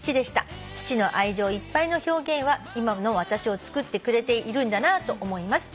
「父の愛情いっぱいの表現は今の私をつくってくれているんだなと思います」